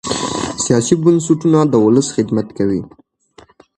سیاسي بنسټونه د ولس خدمت کوي